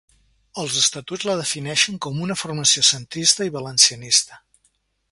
Els estatuts la defineixen com una formació centrista i valencianista.